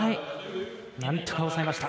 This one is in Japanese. なんとか押さえました。